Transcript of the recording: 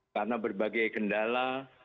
karena berbagai kendala